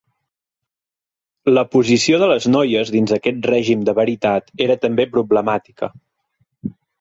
La posició de les noies dins aquest règim de veritat era també problemàtica.